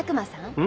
うん？